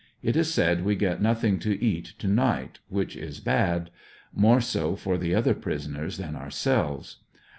It is said we get nothing to eat to night, which is bad; more so for the other prisoners than ourselves.